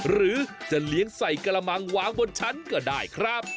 หรือจะเลี้ยงใส่กระมังวางบนชั้นก็ได้ครับ